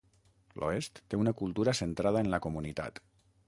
L'oest té una cultura centrada en la comunitat.